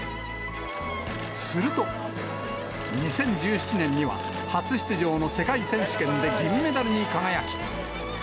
すると、２０１７年には、初出場の世界選手権で銀メダルに輝き。